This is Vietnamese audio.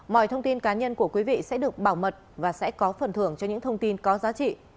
mọi thông tin cá nhân của quý vị sẽ được bảo mật và sẽ có phần thưởng cho những thông tin có giá trị